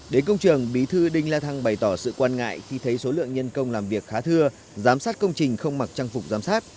đến công trường bí thư đinh la thăng bày tỏ sự quan ngại khi thấy số lượng nhân công làm việc khá thưa giám sát công trình không mặc trang phục giám sát